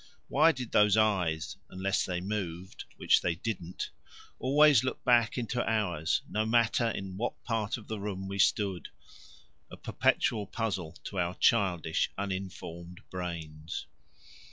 Why did those eyes, unless they moved, which they didn't, always look back into ours no matter in what part of the room we stood? a perpetual puzzle to our childish uninformed brains.